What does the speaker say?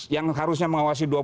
yang harusnya mengawasi dua puluh